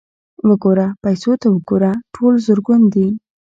_وګوره، پيسو ته وګوره! ټول زرګون دي.